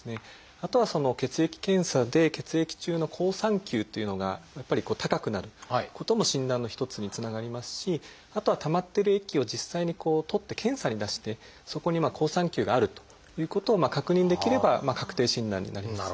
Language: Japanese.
あとは血液検査で血液中の好酸球というのがやっぱり高くなることも診断の一つにつながりますしあとはたまってる液を実際に採って検査に出してそこに好酸球があるということを確認できれば確定診断になりますね。